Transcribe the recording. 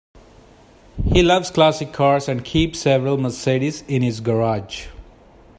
He loves classic cars, and keeps several Mercedes in his garage